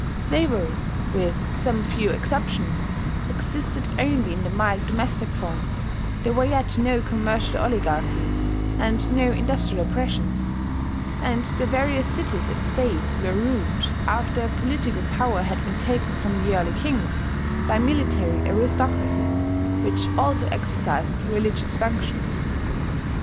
Slavery. with some few exceptions, existed only in the mild domestic form; there were yet no commercial oligarchies, and no industrial oppressions; and the various cities and states were ruled, after political power had been taken from the early kings, by military aristocracies which also exercised religious functions.